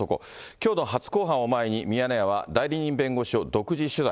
きょうの初公判を前に、ミヤネ屋は代理人弁護士を独自取材。